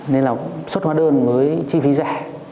nên là xuất hóa đơn với chi phí rẻ